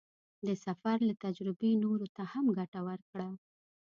د سفر له تجربې نورو ته هم ګټه ورکړه.